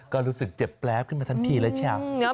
ก็รู้สึกเจ็บแปลบขึ้นมาทันทีแล้ว